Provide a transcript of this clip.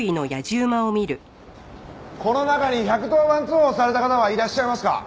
この中に１１０番通報された方はいらっしゃいますか？